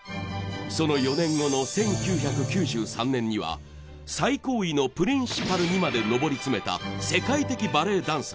その４年後の１９９３年には最高位のプリンシパルにまで上り詰めた。